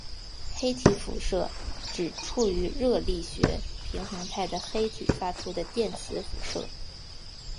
黑体辐射指处于热力学平衡态的黑体发出的电磁辐射。